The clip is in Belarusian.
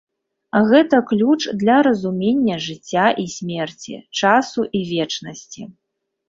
Гэта ключ для разумення жыцця і смерці, часу і вечнасці.